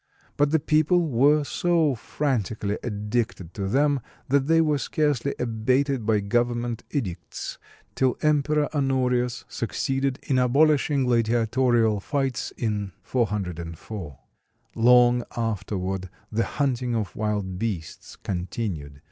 But the people were so frantically addicted to them that they were scarcely abated by government edicts till Emperor Honorius succeeded in abolishing gladiatorial fights in 404. Long afterward the hunting of wild beasts continued.